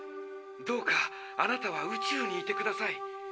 どうかあなたは宇宙にいてください。